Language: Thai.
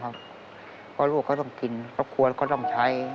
เพราะลูกก็ต้องกินครอบครัวก็ต้องใช้